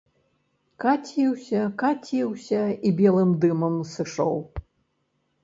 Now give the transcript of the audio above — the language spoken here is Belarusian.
Каціўся, каціўся і белым дымам сышоў.